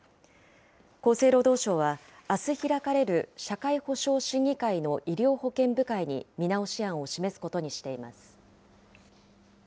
厚生労働省は、あす開かれる社会保障審議会の医療保険部会に見直し案を示すことにしています。